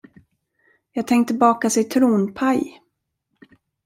Jag tänkte baka citronpaj.